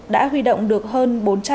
đã huy động được hơn